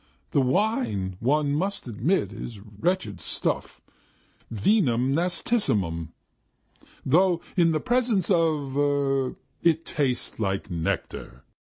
"The wine, one must admit, is wretched stuff! Vinum nastissimum! Though in the presence of ... er ... it tastes like nectar.